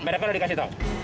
merdeka itu dikasih tahu